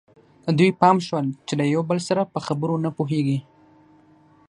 د دوی پام شول چې له یو بل سره په خبرو نه پوهېږي.